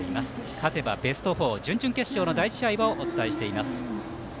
勝てばベスト４準々決勝の第１試合をお伝えしています。